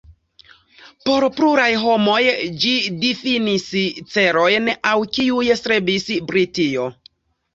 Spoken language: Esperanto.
Por pluraj homoj ĝi difinis celojn al kiuj strebis Britio.